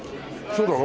そうだろ？